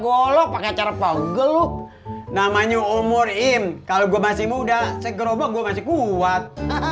golok pakai cara pogle lu namanya umur im kalau gua masih muda segeroba gua masih kuat